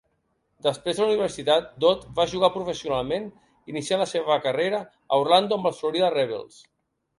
Després de la universitat, Dot va jugar professionalment, iniciant la seva carrera a Orlando amb els Florida Rebels.